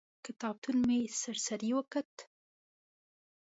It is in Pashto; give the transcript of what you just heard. کتابتون مې سر سري وکت.